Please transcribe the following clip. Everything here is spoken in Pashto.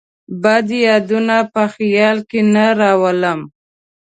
بد یادونه په خیال کې نه راولم.